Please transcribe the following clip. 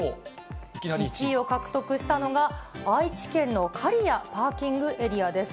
１位を獲得したのが、愛知県の刈谷パーキングエリアです。